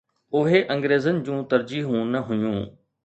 اهي انگريزن جون ترجيحون نه هيون.